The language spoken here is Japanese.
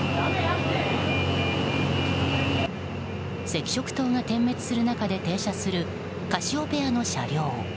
赤色灯が点滅する中で停車する「カシオペア」の車両。